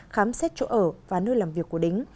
khám xét chỗ ở và nơi làm việc của đính